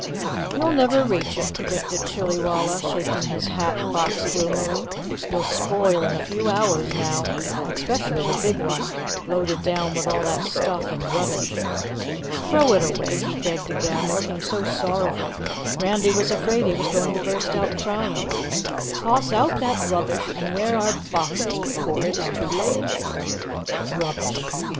"You'll never reach it," predicted Chillywalla, shaking his hat box gloomily. "You'll spoil in a few hours now, especially the big one, loaded down with all that stuff and rubbish. Throw it away," he begged again, looking so sorrowful Randy was afraid he was going to burst out crying. "Toss out that rubbish and wear our boxes before it is too late!" "Rubbish!"